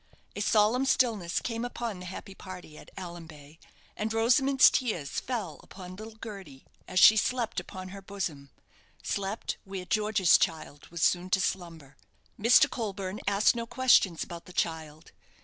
A solemn stillness came upon the happy party at Allanbay, and Rosamond's tears fell upon little Gerty, as she slept upon her bosom slept where George's child was soon to slumber. Mr. Colburne asked no questions about the child.